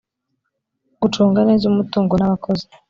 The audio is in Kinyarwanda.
gucunga neza umutungo n’abakozi